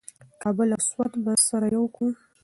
کابل او سوات به سره یو کړو.